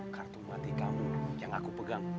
kartu mati kamu yang aku pegang